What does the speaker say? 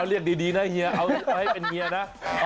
เรียกดีนะเฮียเอาไว้เป็นเมียนะ